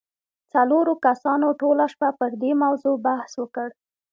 څلورو کسانو ټوله شپه پر دې موضوع بحث وکړ